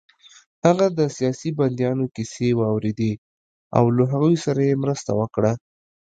هغه د سیاسي بندیانو کیسې واورېدې او له هغوی سره يې مرسته وکړه